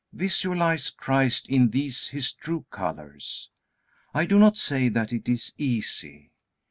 Visualize Christ in these His true colors. I do not say that it is easy.